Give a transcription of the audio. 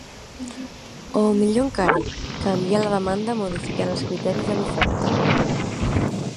O, millor encara, canviar la demanda modificant els criteris de l’oferta.